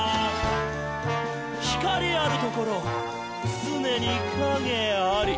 「光あるところ、つねに影あり！」